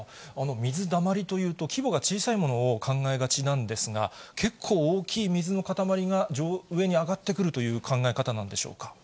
水だまりというと、規模が小さいものを考えがちなんですが、結構大きい水のかたまりが上に上がってくるという考え方なんでし